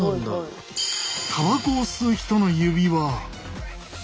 たばこを吸う人の指は。